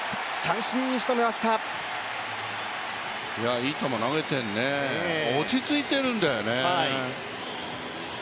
いい球投げてるね、落ち着いてるんだよね。